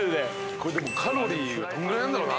これでもカロリーどんぐらいなんだろうな。